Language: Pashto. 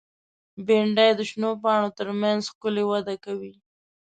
بېنډۍ د شنو پاڼو تر منځ ښکلي وده کوي